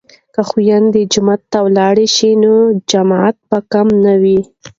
که خویندې جومات ته لاړې شي نو جماعت به کم نه وي.